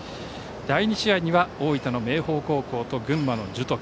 第２試合には大分の明豊高校と群馬の樹徳。